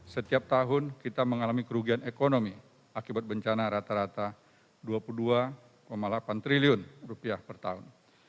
setiap tahun kita mengalami kerugian ekonomi akibat bencana rata rata rp dua puluh dua delapan triliun rupiah per tahun